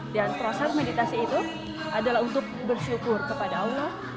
dan proses meditasi itu adalah untuk bersyukur kepada allah